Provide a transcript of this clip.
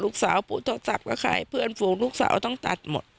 ลูกสาวปู่โทรศัพท์กับใครเพื่อนฝูงลูกสาวต้องตัดหมด